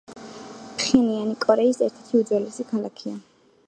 ფხენიანი კორეის ერთ-ერთი უძველესი ქალაქია.